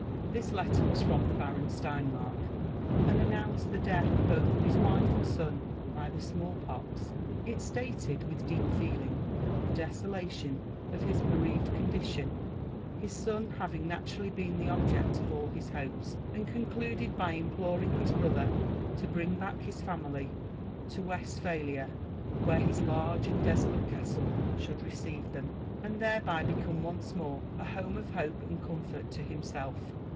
This letter was from the Baron Steinmark, and announced the death both of his wife and son by the smallpox ; it stated, with deep feeling, the desolation of his bereaved condition^ his son having naturally been the object of all his hopes, and con cluded by imploring his brother to bring back his family to Westpha lia, where his lai^e and desolate castle should receive them, and thereby become once more a home of hope and comfort to himself.